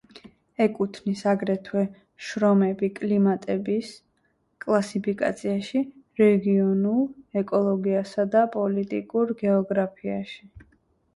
ეკუთვნის აგრეთვე შრომები კლიმატების კლასიფიკაციაში, რეგიონულ ეკოლოგიასა და პოლიტიკურ გეოგრაფიაში.